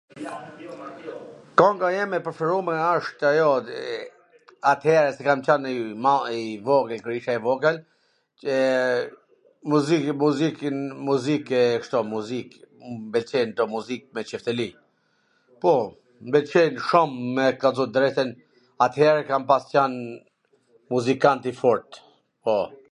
Kanga jeme e preferume asht ajo e atere qw kam qwn i madh ... i vogwl, kur isha i vogwl, qe muzik, muzik kshtu muzik, m pwlqen kto muzik me Cifteli, po, m pwlqen shum me kallxu t drejtwn atere kam pas qwn muzikant i fort, po.